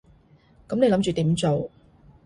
噉你諗住點做？